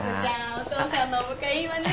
お父さんのお迎えいいわね。